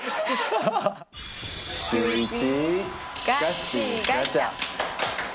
シューイチ！